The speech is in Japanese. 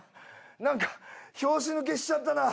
何か拍子抜けしちゃったな。